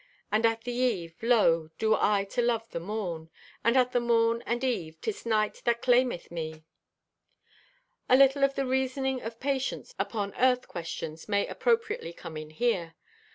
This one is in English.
And at the eve, Lo, do I to love the morn! And at the morn and eve, 'Tis night that claimeth me. A little of the reasoning of Patience upon Earth questions may appropriately come in here.